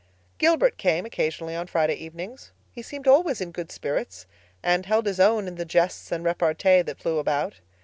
Gilbert came occasionally on Friday evenings. He seemed always in good spirits, and held his own in the jests and repartee that flew about.